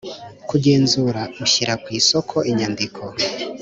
Kugenzura ushyira ku isoko inyandiko